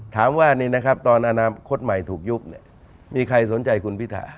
ถามว่านี่นะครับตอนอนาคตใหม่ถูกยุบมีใครสนใจคุณพิธา